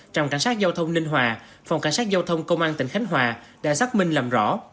trong cảnh sát giao thông ninh hòa phòng cảnh sát giao thông công an tỉnh khánh hòa đã xác minh làm rõ